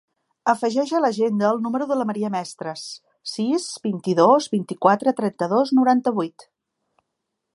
Afegeix a l'agenda el número de la Maria Mestres: sis, vint-i-dos, vint-i-quatre, trenta-dos, noranta-vuit.